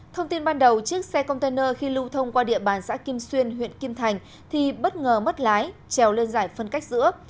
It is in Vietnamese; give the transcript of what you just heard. thông tin ban đầu chiếc xe container khi lưu thông qua địa bàn xã kim xuyên huyện kim thành thì bất ngờ mất lái trèo lên giải phân cách giữa